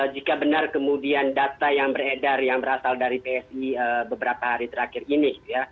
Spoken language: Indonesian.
jika benar kemudian data yang beredar yang berasal dari psi beberapa hari terakhir ini